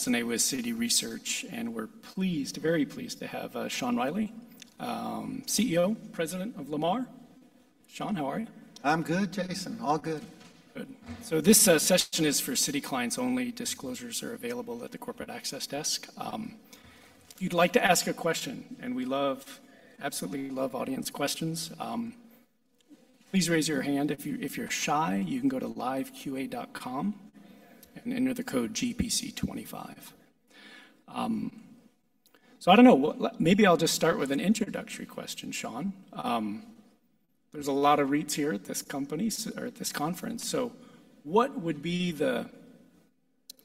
As a Citi Research, and we're pleased, very pleased to have Sean Reilly, CEO, President of Lamar. Sean, how are you? I'm good, Jason. All good. Good. So this session is for Citi clients only. Disclosures are available at the corporate access desk. If you'd like to ask a question, and we love, absolutely love audience questions, please raise your hand. If you're shy, you can go to live.q4.com and enter the code GPC25. So I don't know, maybe I'll just start with an introductory question, Sean. There's a lot of REITs here at this company, or at this conference. So what would be the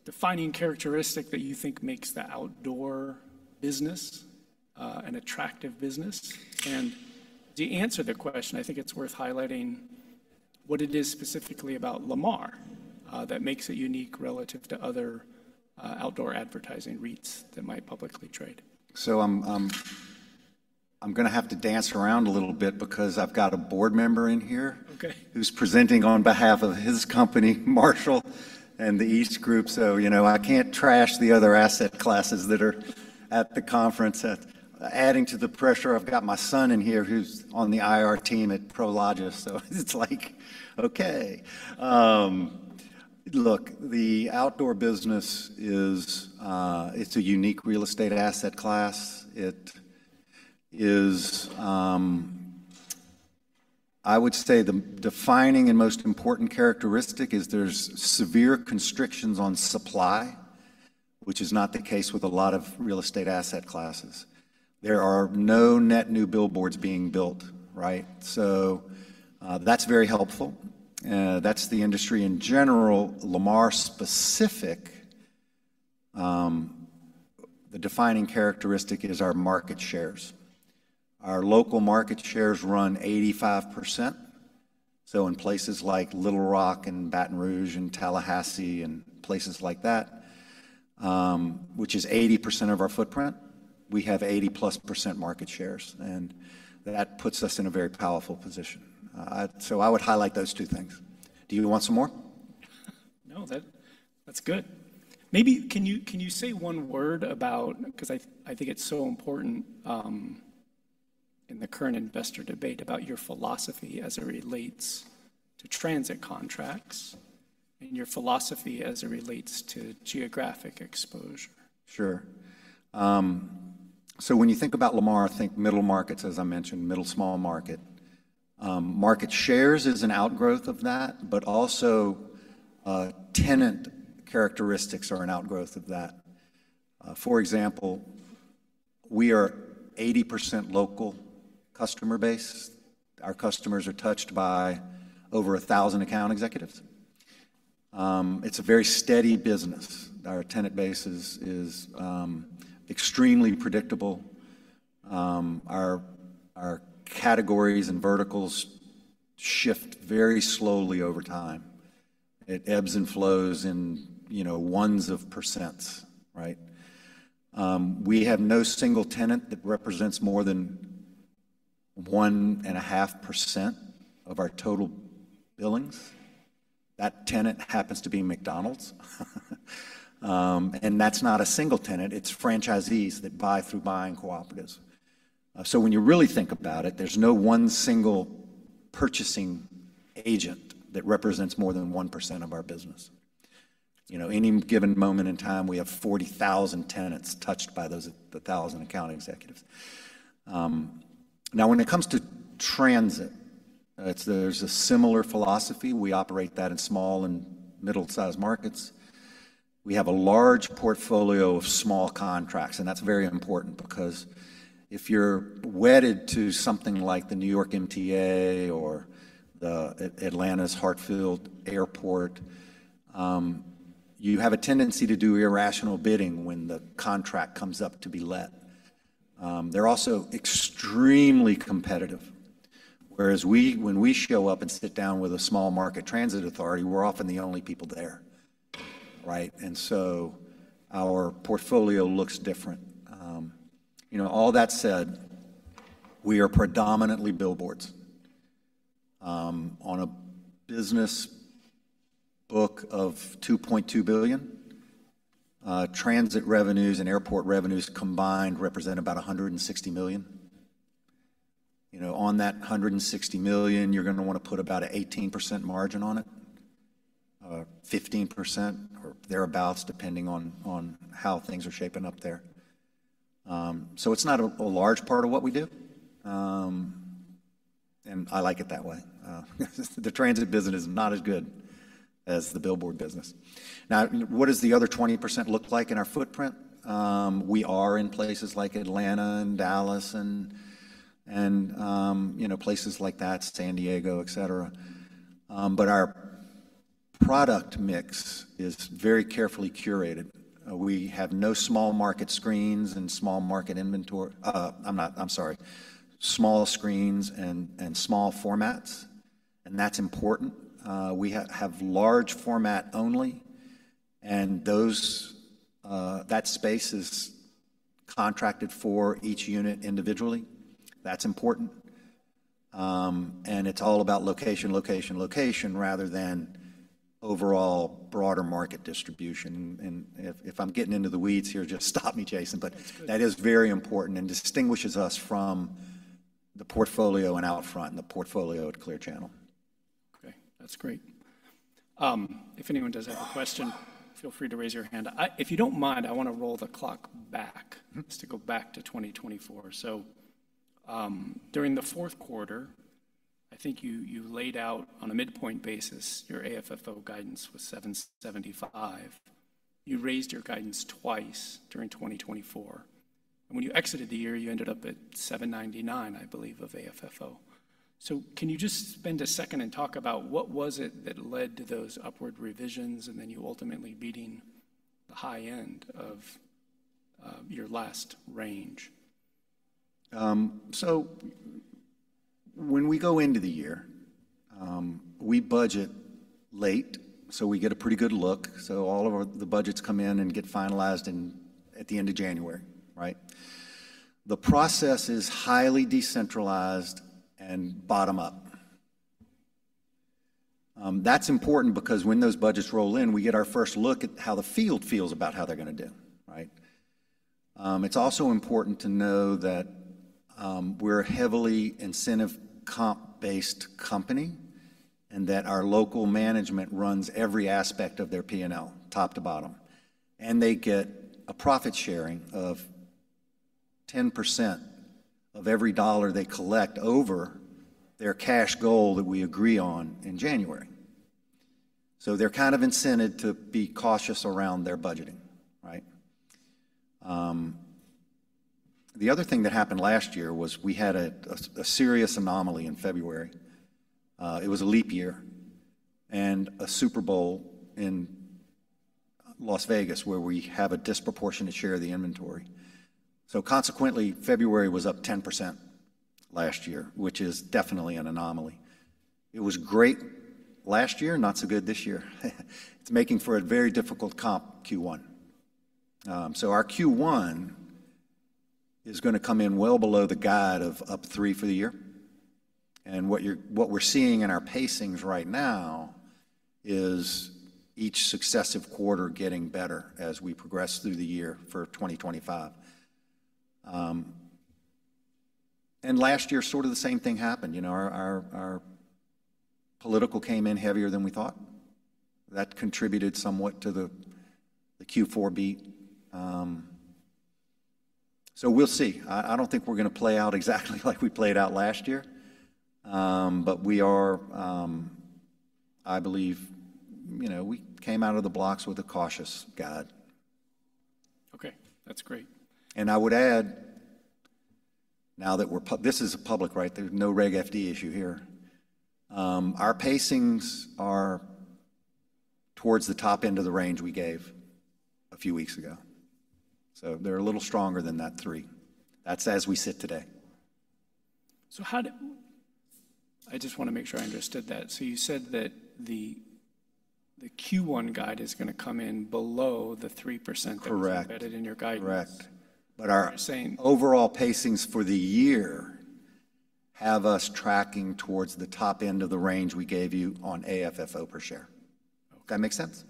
defining characteristic that you think makes the outdoor business an attractive business? And to answer the question, I think it's worth highlighting what it is specifically about Lamar that makes it unique relative to other outdoor advertising REITs that might publicly trade. So I'm going to have to dance around a little bit because I've got a board member in here who's presenting on behalf of his company, Marshall, and the EastGroup. So, you know, I can't trash the other asset classes that are at the conference. Adding to the pressure, I've got my son in here who's on the IR team at Prologis. So it's like, okay. Look, the outdoor business is, it's a unique real estate asset class. It is, I would say the defining and most important characteristic is there's severe constrictions on supply, which is not the case with a lot of real estate asset classes. There are no net new billboards being built, right? So that's very helpful. That's the industry in general. Lamar specific, the defining characteristic is our market shares. Our local market shares run 85%. So in places like Little Rock and Baton Rouge and Tallahassee and places like that, which is 80% of our footprint, we have 80-plus% market shares. And that puts us in a very powerful position. So I would highlight those two things. Do you want some more? No, that's good. Maybe you can say one word about, because I think it's so important in the current investor debate about your philosophy as it relates to transit contracts and your philosophy as it relates to geographic exposure? Sure, so when you think about Lamar, I think middle markets, as I mentioned, middle small market, market shares is an outgrowth of that, but also tenant characteristics are an outgrowth of that. For example, we are 80% local customer base. Our customers are touched by over a thousand account executives. It's a very steady business. Our tenant base is extremely predictable. Our categories and verticals shift very slowly over time. It ebbs and flows in, you know, ones of percents, right? We have no single tenant that represents more than 1.5% of our total billings. That tenant happens to be McDonald's, and that's not a single tenant. It's franchisees that buy through buying cooperatives, so when you really think about it, there's no one single purchasing agent that represents more than 1% of our business. You know, any given moment in time, we have 40,000 tenants touched by those 1,000 account executives. Now, when it comes to transit, there's a similar philosophy. We operate that in small and middle sized markets. We have a large portfolio of small contracts. And that's very important because if you're wedded to something like the New York MTA or Atlanta's Hartsfield Airport, you have a tendency to do irrational bidding when the contract comes up to be let. They're also extremely competitive. Whereas we, when we show up and sit down with a small market transit authority, we're often the only people there, right? And so our portfolio looks different. You know, all that said, we are predominantly billboards. On a business book of $2.2 billion, transit revenues and airport revenues combined represent about $160 million. You know, on that $160 million, you're going to want to put about an 18% margin on it, 15% or thereabouts, depending on how things are shaping up there. So it's not a large part of what we do, and I like it that way. The transit business is not as good as the billboard business. Now, what does the other 20% look like in our footprint? We are in places like Atlanta and Dallas and, you know, places like that, San Diego, et cetera. But our product mix is very carefully curated. We have no small market screens and small market inventory. I'm not. I'm sorry, small screens and small formats. And that's important. We have large format only, and that space is contracted for each unit individually. That's important, and it's all about location, location, location rather than overall broader market distribution. And if I'm getting into the weeds here, just stop me, Jason. But that is very important and distinguishes us from the portfolio at OUTFRONT and the portfolio at Clear Channel. Okay, that's great. If anyone does have a question, feel free to raise your hand. If you don't mind, I want to roll the clock back just to go back to 2024, so during the fourth quarter, I think you laid out on a midpoint basis, your AFFO guidance was $7.75. You raised your guidance twice during 2024. And when you exited the year, you ended up at $7.99, I believe, of AFFO, so can you just spend a second and talk about what was it that led to those upward revisions and then you ultimately beating the high end of your last range? So when we go into the year, we budget late. So we get a pretty good look. So all of the budgets come in and get finalized at the end of January, right? The process is highly decentralized and bottom up. That's important because when those budgets roll in, we get our first look at how the field feels about how they're going to do, right? It's also important to know that we're a heavily incentive comp based company and that our local management runs every aspect of their P&L top to bottom. And they get a profit sharing of 10% of every dollar they collect over their cash goal that we agree on in January. So they're kind of incented to be cautious around their budgeting, right? The other thing that happened last year was we had a serious anomaly in February. It was a leap year and a Super Bowl in Las Vegas where we have a disproportionate share of the inventory. So consequently, February was up 10% last year, which is definitely an anomaly. It was great last year, not so good this year. It's making for a very difficult comp Q1. So our Q1 is going to come in well below the guide of up 3% for the year. And what we're seeing in our pacings right now is each successive quarter getting better as we progress through the year for 2025. And last year, sort of the same thing happened. You know, our political came in heavier than we thought. That contributed somewhat to the Q4 beat. So we'll see. I don't think we're going to play out exactly like we played out last year. But we are, I believe, you know, we came out of the blocks with a cautious guide. Okay, that's great. And I would add, now that we're in public, right? There's no Reg FD issue here. Our pacings are towards the top end of the range we gave a few weeks ago. So they're a little stronger than that three. That's as we sit today. I just want to make sure I understood that. You said that the Q1 guide is going to come in below the 3% that's embedded in your guidance. Correct. But our overall pacings for the year have us tracking towards the top end of the range we gave you on AFFO per share. Does that make sense?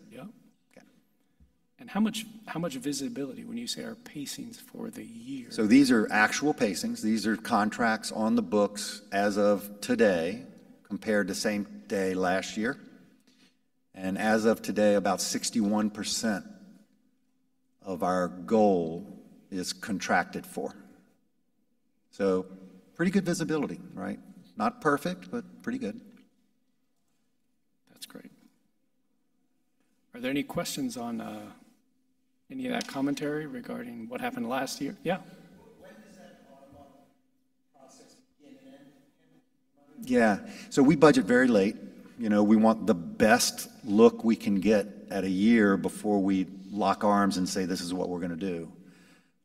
Yeah, and how much visibility when you say our pacings for the year? So these are actual pacings. These are contracts on the books as of today compared to same day last year. And as of today, about 61% of our goal is contracted for. So pretty good visibility, right? Not perfect, but pretty good. That's great. Are there any questions on any of that commentary regarding what happened last year? Yeah. When does that bottom up process begin and end? Yeah. So we budget very late. You know, we want the best look we can get at a year before we lock arms and say, this is what we're going to do.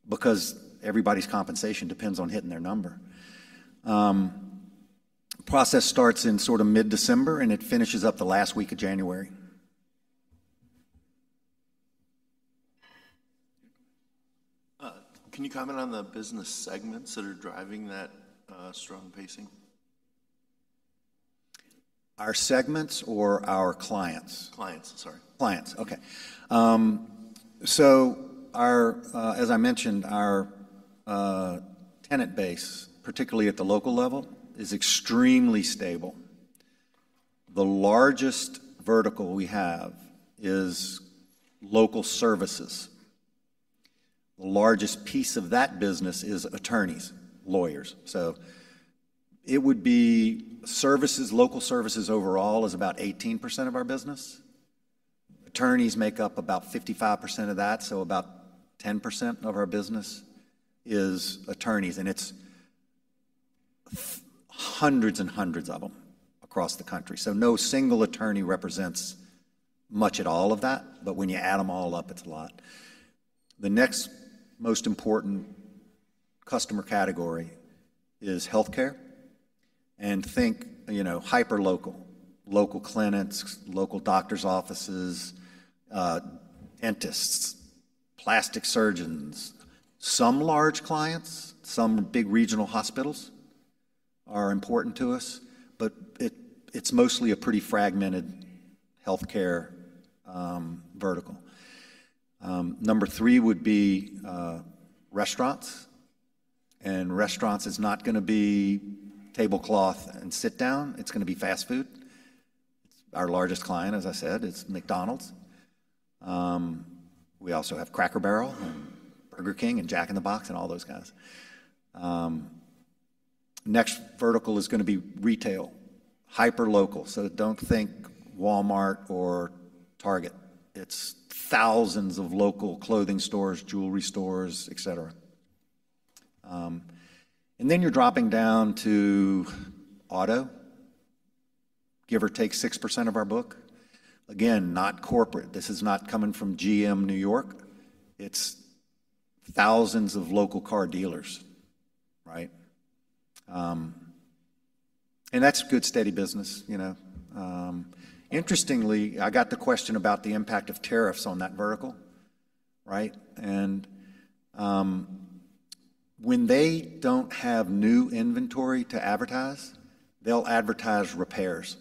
Because everybody's compensation depends on hitting their number. Process starts in sort of mid-December and it finishes up the last week of January. Can you comment on the business segments that are driving that strong pacing? Our segments or our clients? Clients, sorry. Clients, okay. So our, as I mentioned, our tenant base, particularly at the local level, is extremely stable. The largest vertical we have is local services. The largest piece of that business is attorneys, lawyers. So it would be services, local services overall is about 18% of our business. Attorneys make up about 55% of that. So about 10% of our business is attorneys. And it's hundreds and hundreds of them across the country. So no single attorney represents much at all of that. But when you add them all up, it's a lot. The next most important customer category is healthcare. And think, you know, hyper local, local clinics, local doctors' offices, dentists, plastic surgeons, some large clients, some big regional hospitals are important to us. But it's mostly a pretty fragmented healthcare vertical. Number three would be restaurants. Restaurants is not going to be tablecloth and sit down. It's going to be fast food. Our largest client, as I said, is McDonald's. We also have Cracker Barrel and Burger King and Jack in the Box and all those guys. Next vertical is going to be retail, hyper local. So don't think Walmart or Target. It's thousands of local clothing stores, jewelry stores, et cetera. And then you're dropping down to auto, give or take 6% of our book. Again, not corporate. This is not coming from GM New York. It's thousands of local car dealers, right? And that's good steady business, you know. Interestingly, I got the question about the impact of tariffs on that vertical, right? And when they don't have new inventory to advertise, they'll advertise repairs.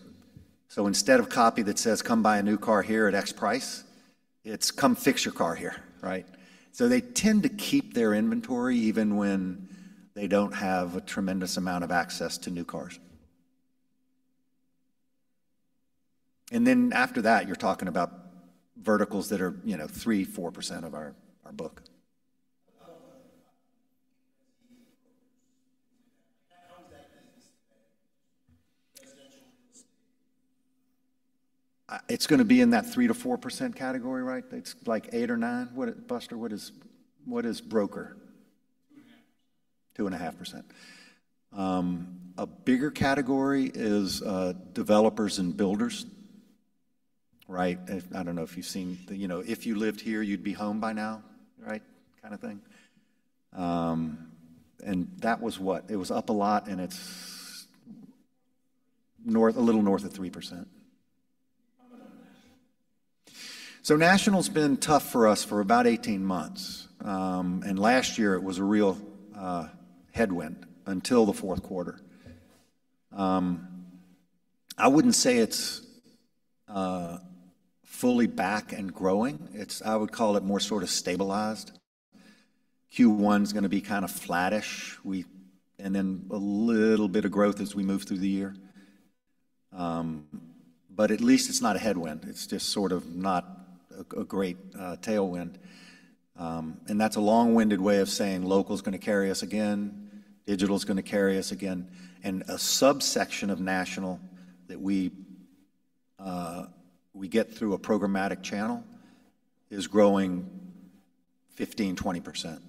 So instead of copy that says, come buy a new car here at X price, it's come fix your car here, right? So they tend to keep their inventory even when they don't have a tremendous amount of access to new cars. And then after that, you're talking about verticals that are, you know, 3-4% of our book. How is that business today? Residential real estate? It's going to be in that 3%-4% category, right? It's like eight or nine. What is, Buster, what is broker? 2.5%. 2.5%. A bigger category is developers and builders, right? I don't know if you've seen, you know, if you lived here, you'd be home by now, right? Kind of thing. And that was what? It was up a lot and it's a little north of 3%. So national's been tough for us for about 18 months. And last year, it was a real headwind until the fourth quarter. I wouldn't say it's fully back and growing. It's, I would call it more sort of stabilized. Q1's going to be kind of flattish. And then a little bit of growth as we move through the year. But at least it's not a headwind. It's just sort of not a great tailwind. And that's a long-winded way of saying local's going to carry us again. Digital's going to carry us again. And a subsection of national that we get through a programmatic channel is growing 15%-20%.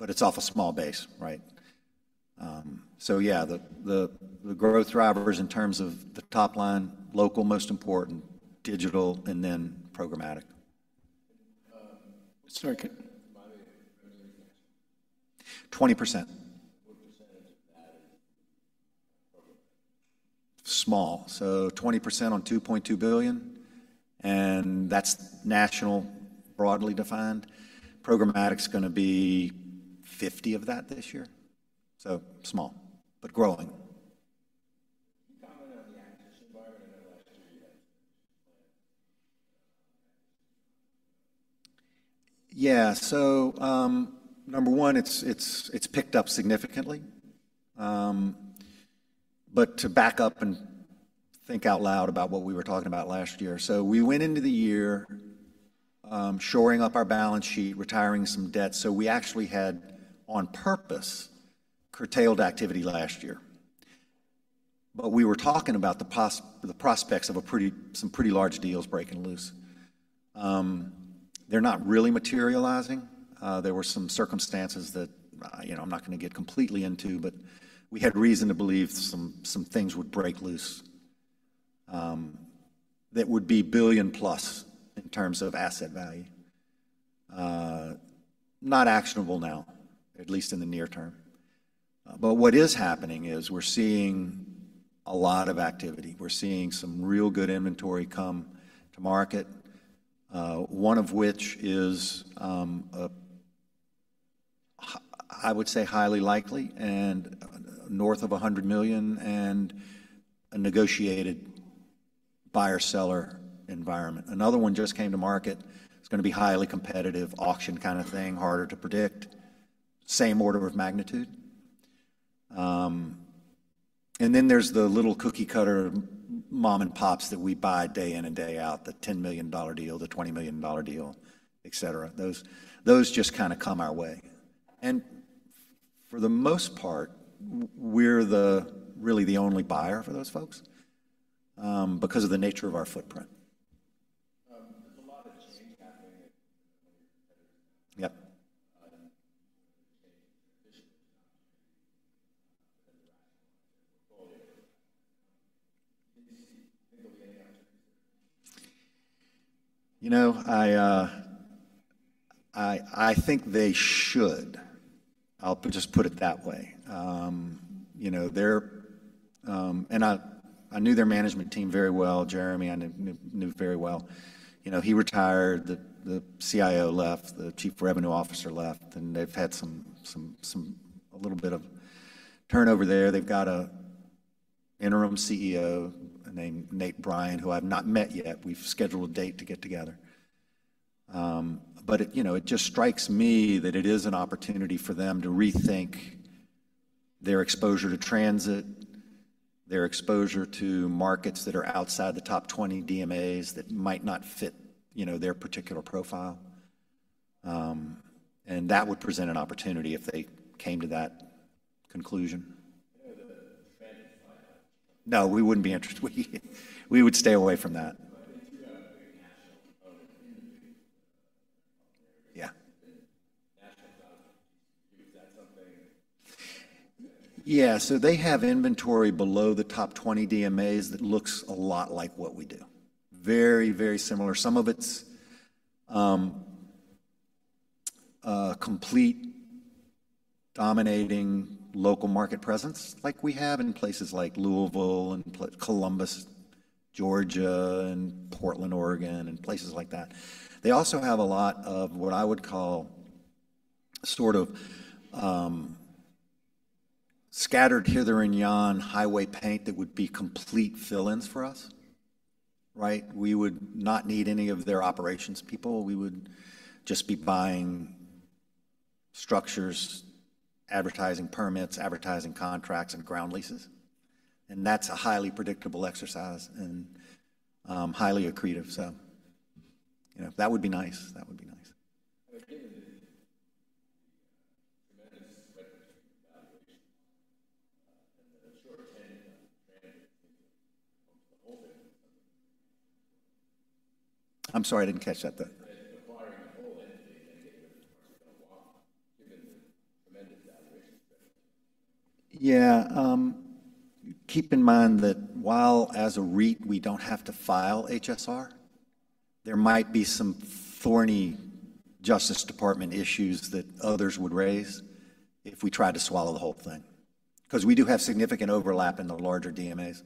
But it's off a small base, right? So yeah, the growth drivers in terms of the top line, local most important, digital, and then programmatic. Sorry, Ken. 20%. What percentage of that is programmatic? Small. So 20% on $2.2 billion. And that's national broadly defined. Programmatic's going to be $50 million of that this year. So small, but growing. Can you comment on the acquisition environment? I know last year you had acquisition environment. Yeah, so number one, it's picked up significantly, but to back up and think out loud about what we were talking about last year, so we went into the year shoring up our balance sheet, retiring some debt, so we actually had on purpose curtailed activity last year, but we were talking about the prospects of some pretty large deals breaking loose. They're not really materializing. There were some circumstances that, you know, I'm not going to get completely into, but we had reason to believe some things would break loose that would be billion plus in terms of asset value. Not actionable now, at least in the near term, but what is happening is we're seeing a lot of activity. We're seeing some real good inventory come to market, one of which is, I would say highly likely and north of 100 million and a negotiated buyer-seller environment. Another one just came to market. It's going to be highly competitive, auction kind of thing, harder to predict. Same order of magnitude. And then there's the little cookie cutter mom and pops that we buy day in and day out, the $10 million deal, the $20 million deal, et cetera. Those just kind of come our way. And for the most part, we're really the only buyer for those folks because of the nature of our footprint. There's a lot of change happening at your competitors now. Yep. And they're changing their vision and opportunity for them to rationalize their portfolio. Do you think there'll be any opportunities there? You know, I think they should. I'll just put it that way. You know, they're, and I knew their management team very well. Jeremy, I knew very well. You know, he retired, the CIO left, the chief revenue officer left, and they've had a little bit of turnover there. They've got an interim CEO named Nate Bryan, who I've not met yet. We've scheduled a date to get together. But you know, it just strikes me that it is an opportunity for them to rethink their exposure to transit, their exposure to markets that are outside the top 20 DMAs that might not fit, you know, their particular profile, and that would present an opportunity if they came to that conclusion. Yeah, the transit flyout. No, we wouldn't be interested. We would stay away from that. But if you have a big national component in the region, yeah, national component in the region, is that something? Yeah. So they have inventory below the top 20 DMAs that looks a lot like what we do. Very, very similar. Some of it's completely dominating local market presence like we have in places like Louisville and Columbus, Georgia and Portland, Oregon, and places like that. They also have a lot of what I would call sort of scattered hither and yon highway paint that would be complete fill-ins for us, right? We would not need any of their operations people. We would just be buying structures, advertising permits, advertising contracts and ground leases. And that's a highly predictable exercise and highly accretive. So, you know, that would be nice. That would be nice. But given the tremendous regulatory evaluation and the short-term transit thing of the whole business. I'm sorry, I didn't catch that. The buyer in the whole entity then get rid of the parts that don't want to, given the tremendous valuation spread. Yeah. Keep in mind that while as a REIT, we don't have to file HSR, there might be some thorny Justice Department issues that others would raise if we tried to swallow the whole thing. Because we do have significant overlap in the larger DMAs.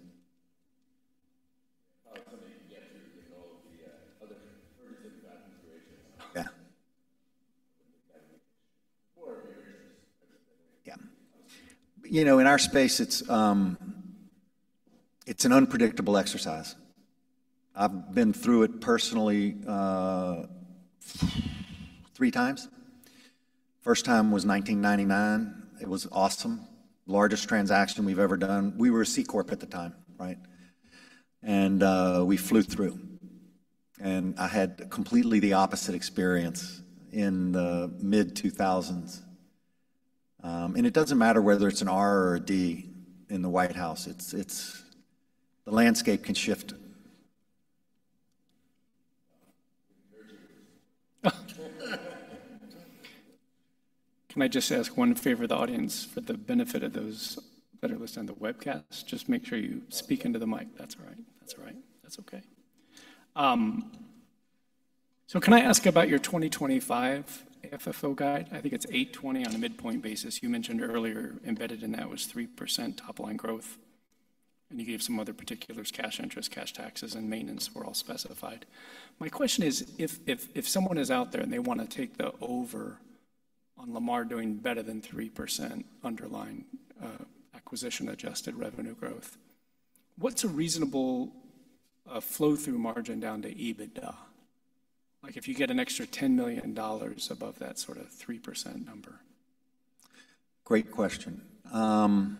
Something to get through with all the other 30-35 considerations. Yeah. Before your interests. Yeah. You know, in our space, it's an unpredictable exercise. I've been through it personally three times. First time was 1999. It was awesome. Largest transaction we've ever done. We were a C Corp at the time, right, and we flew through. I had completely the opposite experience in the mid-2000s. It doesn't matter whether it's an R or a D in the White House. The landscape can shift. Can I just ask one favor of the audience for the benefit of those that are listening to the webcast? Just make sure you speak into the mic. That's all right. That's all right. That's okay. So can I ask about your 2025 FFO guide? I think it's $8.20 on a midpoint basis. You mentioned earlier embedded in that was 3% top line growth. And you gave some other particulars, cash interest, cash taxes, and maintenance were all specified. My question is, if someone is out there and they want to take the over on Lamar doing better than 3% underlying acquisition adjusted revenue growth, what's a reasonable flow-through margin down to EBITDA? Like if you get an extra $10 million above that sort of 3% number. Great question. I'm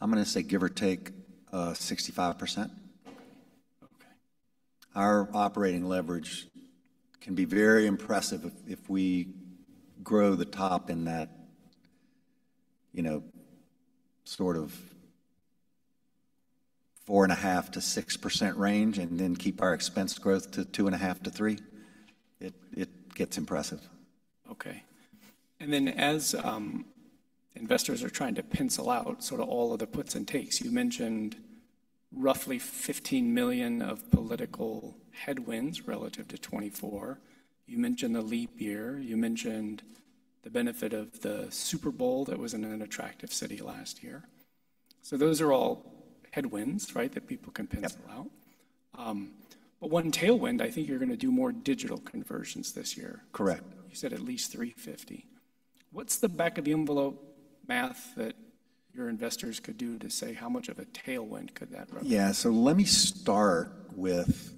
going to say give or take 65%. Okay. Our operating leverage can be very impressive if we grow the top in that, you know, sort of 4.5%-6% range and then keep our expense growth to 2.5%-3%. It gets impressive. Okay. And then as investors are trying to pencil out sort of all of the puts and takes, you mentioned roughly $15 million of political headwinds relative to 2024. You mentioned the leap year. You mentioned the benefit of the Super Bowl that was in an attractive city last year. So those are all headwinds, right, that people can pencil out. But one tailwind, I think you're going to do more digital conversions this year. Correct. You said at least 350. What's the back-of-the-envelope math that your investors could do to say how much of a tailwind could that represent? Yeah. So let me start with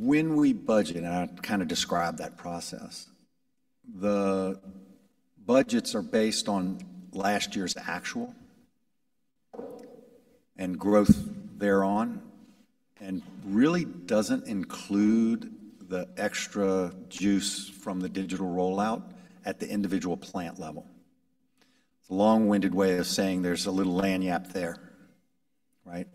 when we budget, and I'll kind of describe that process. The budgets are based on last year's actual and growth thereon and really doesn't include the extra juice from the digital rollout at the individual plant level. It's a long-winded way of saying there's a little lagniappe there, right?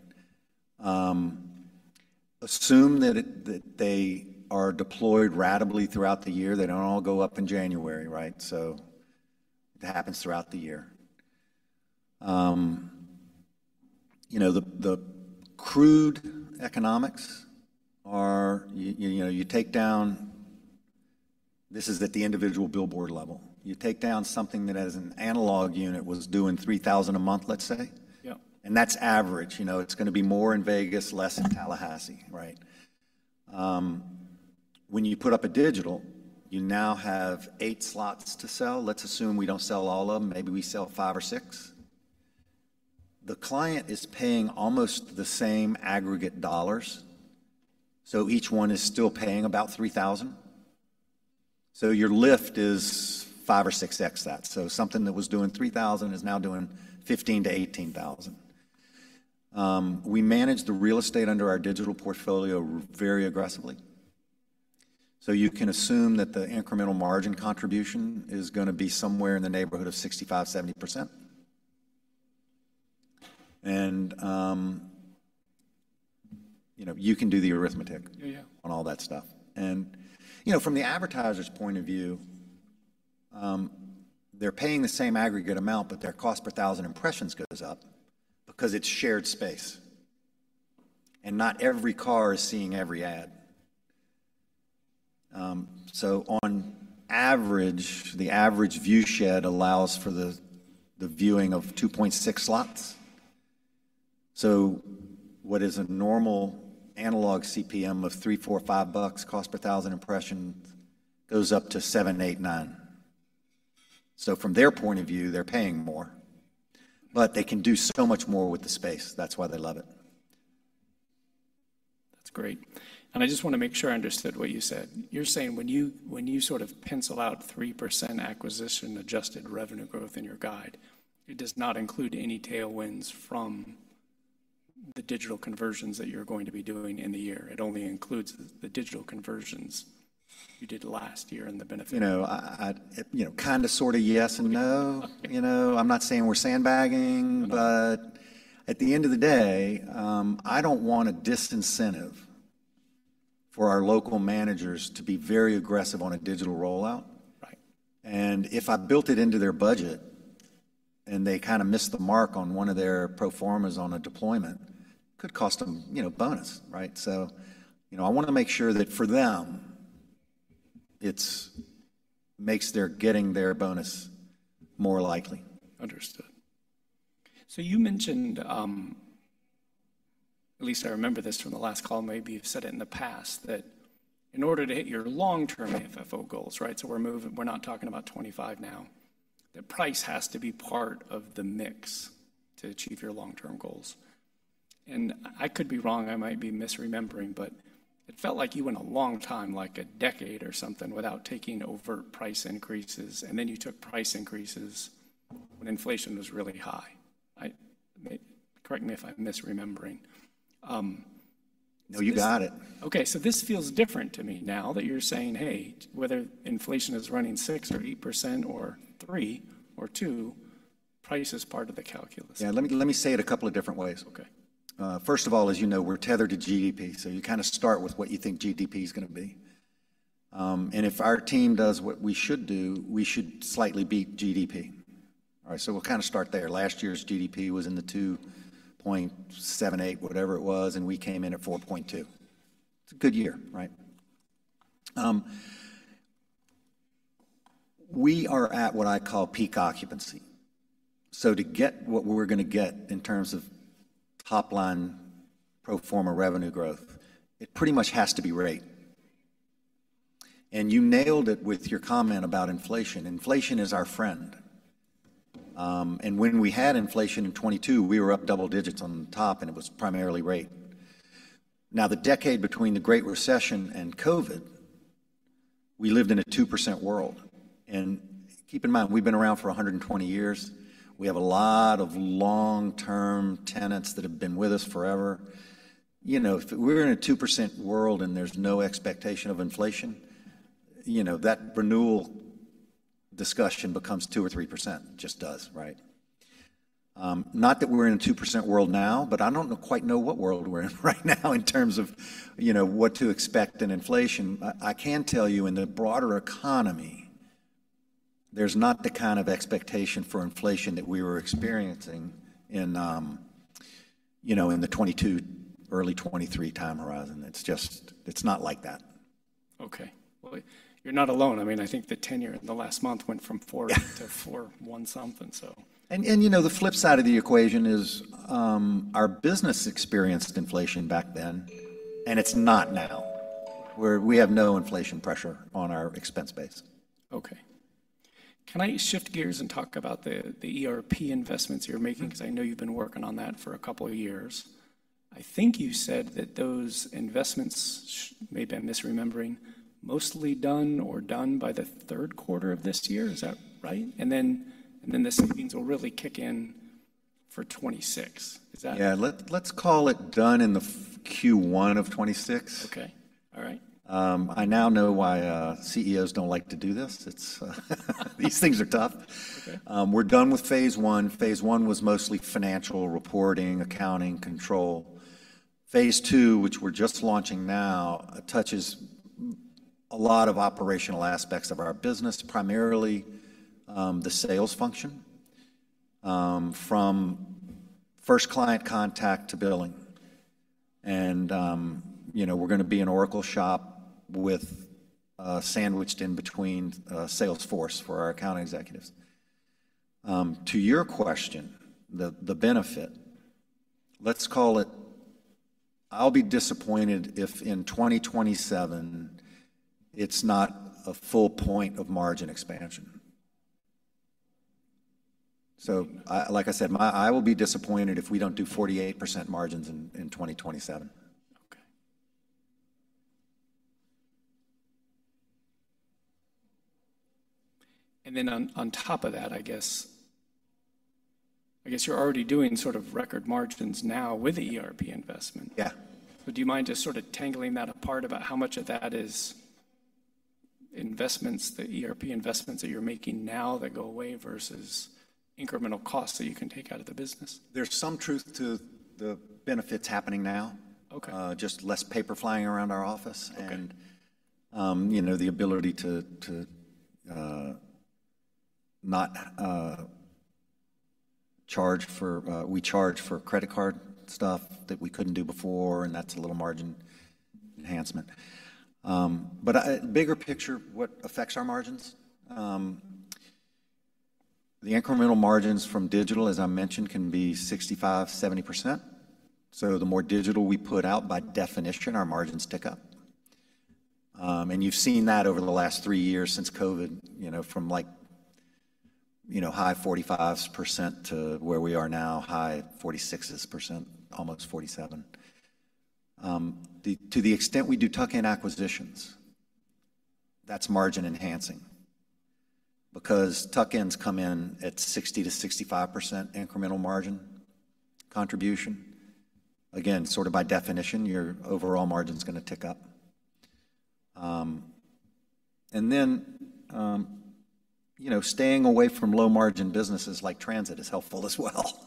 Assume that they are deployed gradually throughout the year. They don't all go up in January, right? So it happens throughout the year. You know, the crude economics are, you know, you take down, this is at the individual billboard level. You take down something that as an analog unit was doing $3,000 a month, let's say. Yeah. and that's average. You know, it's going to be more in Vegas, less in Tallahassee, right? When you put up a digital, you now have eight slots to sell. Let's assume we don't sell all of them. Maybe we sell five or six. The client is paying almost the same aggregate dollars. So each one is still paying about $3,000. So your lift is five or six X that. So something that was doing $3,000 is now doing $15,000-$18,000. We manage the real estate under our digital portfolio very aggressively. So you can assume that the incremental margin contribution is going to be somewhere in the neighborhood of 65%-70%. And you know, you can do the arithmetic on all that stuff. And you know, from the advertiser's point of view, they're paying the same aggregate amount, but their cost per thousand impressions goes up because it's shared space. And not every car is seeing every ad. So on average, the average viewshed allows for the viewing of 2.6 slots. So what is a normal analog CPM of three, four, five bucks cost per thousand impressions goes up to seven, eight, nine. So from their point of view, they're paying more. But they can do so much more with the space. That's why they love it. That's great. And I just want to make sure I understood what you said. You're saying when you sort of pencil out 3% acquisition adjusted revenue growth in your guide, it does not include any tailwinds from the digital conversions that you're going to be doing in the year. It only includes the digital conversions you did last year and the benefit. You know, kind of sort of yes and no. You know, I'm not saying we're sandbagging, but at the end of the day, I don't want a disincentive for our local managers to be very aggressive on a digital rollout. Right. And if I built it into their budget and they kind of missed the mark on one of their pro formas on a deployment, it could cost them, you know, bonus, right? So, you know, I want to make sure that for them, it makes their getting their bonus more likely. Understood. So you mentioned, at least I remember this from the last call, maybe you've said it in the past, that in order to hit your long-term FFO goals, right? So we're moving, we're not talking about 25 now. The price has to be part of the mix to achieve your long-term goals. And I could be wrong. I might be misremembering, but it felt like you went a long time, like a decade or something, without taking overt price increases. And then you took price increases when inflation was really high. Correct me if I'm misremembering. No, you got it. Okay. So this feels different to me now that you're saying, hey, whether inflation is running 6% or 8% or 3% or 2%, price is part of the calculus. Yeah. Let me say it a couple of different ways. Okay. First of all, as you know, we're tethered to GDP. So you kind of start with what you think GDP is going to be. And if our team does what we should do, we should slightly beat GDP. All right. So we'll kind of start there. Last year's GDP was in the 2.78%, whatever it was, and we came in at 4.2%. It's a good year, right? We are at what I call peak occupancy. So to get what we're going to get in terms of top line pro forma revenue growth, it pretty much has to be rate. And you nailed it with your comment about inflation. Inflation is our friend. And when we had inflation in 2022, we were up double digits on the top, and it was primarily rate. Now, the decade between the Great Recession and COVID, we lived in a 2% world. Keep in mind, we've been around for 120 years. We have a lot of long-term tenants that have been with us forever. You know, if we're in a 2% world and there's no expectation of inflation, you know, that renewal discussion becomes 2% or 3%. It just does, right? Not that we're in a 2% world now, but I don't quite know what world we're in right now in terms of, you know, what to expect in inflation. I can tell you in the broader economy, there's not the kind of expectation for inflation that we were experiencing in, you know, in the 2022, early 2023 time horizon. It's just, it's not like that. Okay. Well, you're not alone. I mean, I think the 10-year in the last month went from four to four one something, so. You know, the flip side of the equation is our business experienced inflation back then, and it's not now. We have no inflation pressure on our expense base. Okay. Can I shift gears and talk about the ERP investments you're making? Because I know you've been working on that for a couple of years. I think you said that those investments, maybe I'm misremembering, mostly done or done by the third quarter of this year. Is that right? And then the savings will really kick in for 2026. Is that? Yeah. Let's call it done in the Q1 of 2026. Okay. All right. I now know why CEOs don't like to do this. These things are tough. We're done with phase one. Phase one was mostly financial reporting, accounting, control. Phase two, which we're just launching now, touches a lot of operational aspects of our business, primarily the sales function from first client contact to billing. And you know, we're going to be an Oracle shop with Salesforce sandwiched in between for our account executives. To your question, the benefit, let's call it, I'll be disappointed if in 2027, it's not a full point of margin expansion. So like I said, I will be disappointed if we don't do 48% margins in 2027. Okay. And then on top of that, I guess you're already doing sort of record margins now with the ERP investment. Yeah. So do you mind just sort of teasing that apart about how much of that is investments, the ERP investments that you're making now that go away versus incremental costs that you can take out of the business? There's some truth to the benefits happening now. Okay. Just less paper flying around our office. Okay. You know, the ability to not charge for, we charge for credit card stuff that we couldn't do before. And that's a little margin enhancement. But bigger picture, what affects our margins? The incremental margins from digital, as I mentioned, can be 65%-70%. So the more digital we put out, by definition, our margins tick up. And you've seen that over the last three years since COVID, you know, from like, you know, high 45% to where we are now, high 46%, almost 47%. To the extent we do tuck-in acquisitions, that's margin enhancing. Because tuck-ins come in at 60%-65% incremental margin contribution. Again, sort of by definition, your overall margin is going to tick up. And then, you know, staying away from low-margin businesses like transit is helpful as well.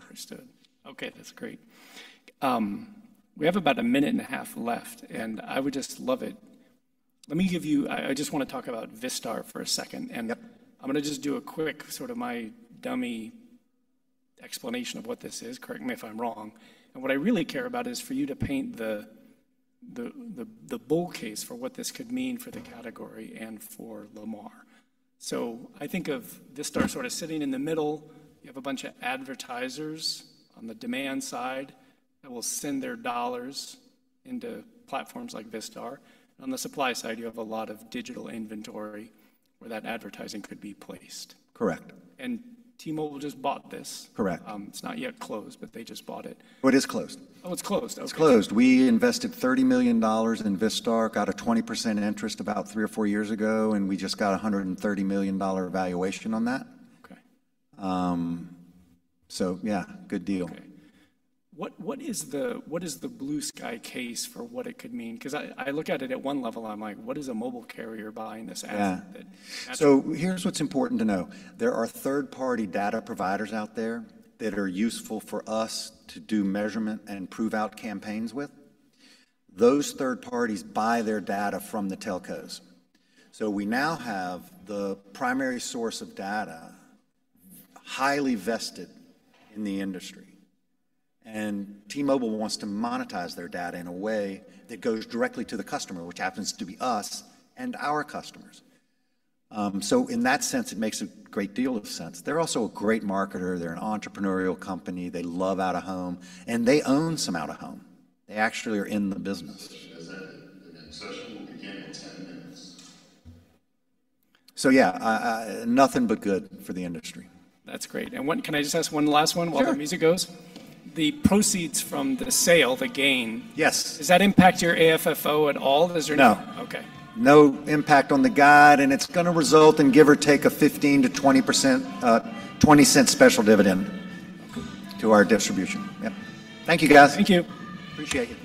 Understood. Okay. That's great. We have about a minute and a half left, and I would just love it. Let me give you, I just want to talk about Vistar for a second, and I'm going to just do a quick sort of my dummy explanation of what this is. Correct me if I'm wrong, and what I really care about is for you to paint the bull case for what this could mean for the category and for Lamar, so I think of Vistar sort of sitting in the middle. You have a bunch of advertisers on the demand side that will send their dollars into platforms like Vistar. On the supply side, you have a lot of digital inventory where that advertising could be placed. Correct. T-Mobile just bought this. Correct. It's not yet closed, but they just bought it. Oh, it is closed. Oh, it's closed. Okay. It's closed. We invested $30 million in Vistar, got a 20% interest about three or four years ago, and we just got a $130 million valuation on that. Okay. So yeah, good deal. Okay. What is the blue sky case for what it could mean? Because I look at it at one level, I'm like, what is a mobile carrier buying this asset? Yeah. So here's what's important to know. There are third-party data providers out there that are useful for us to do measurement and prove out campaigns with. Those third parties buy their data from the telcos. So we now have the primary source of data highly vested in the industry. And T-Mobile wants to monetize their data in a way that goes directly to the customer, which happens to be us and our customers. So in that sense, it makes a great deal of sense. They're also a great marketer. They're an entrepreneurial company. They love out-of-home, and they own some out-of-home. They actually are in the business. Session will begin in 10 minutes. So yeah, nothing but good for the industry. That's great. And can I just ask one last one while the music goes? Sure. The proceeds from the sale, the gain. Yes. Does that impact your AFFO at all? Is there no? No. Okay. No impact on the guide. And it's going to result in give or take a 15%-20%, $0.20 special dividend to our distribution. Yep. Thank you, guys. Thank you. Appreciate it.